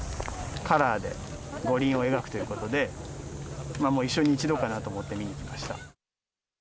カラーで五輪を描くということで、もう一生に一度かなと思って見に来ました。